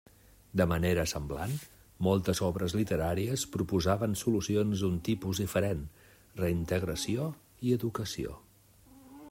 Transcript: De manera semblant, moltes obres literàries proposaven solucions d'un tipus diferent: reintegració i educació.